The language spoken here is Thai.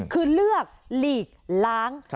คือเลือกหลีกล้าง